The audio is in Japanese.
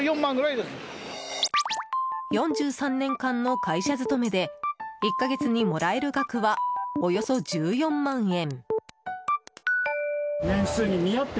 ４３年間の会社勤めで１か月にもらえる額はおよそ１４万円。